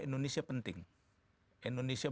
indonesia penting indonesia